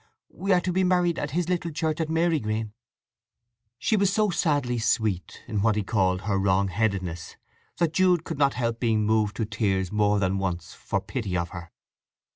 We are to be married at his little church at Marygreen." She was so sadly sweet in what he called her wrong headedness that Jude could not help being moved to tears more than once for pity of her.